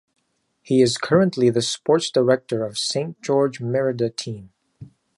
He is currently the sports director of St George Merida Team.